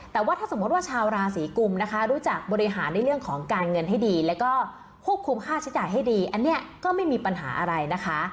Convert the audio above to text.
แต่ว่าถ้าสมมติว่าชาวราศีกุมนะคะรู้จักบริหารในเรื่องของการเงินให้ดีแล้วก็ควบคุมค่าใช้จ่ายให้ดีอันนี้ก็ไม่มีปัญหาอะไรนะคะ